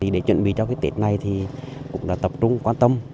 để chuẩn bị cho cái tết này thì cũng là tập trung quan tâm